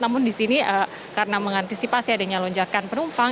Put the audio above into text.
namun di sini karena mengantisipasi adanya lonjakan penumpang